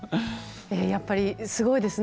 やっぱり、すごいですね